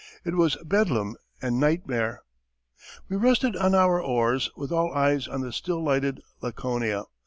It was bedlam and nightmare. We rested on our oars, with all eyes on the still lighted Laconia.